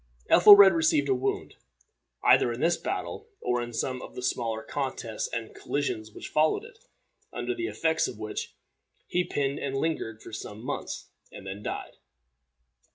Ethelred received a wound, either in this battle or in some of the smaller contests and collisions which followed it, under the effects of which he pined and lingered for some months, and then died.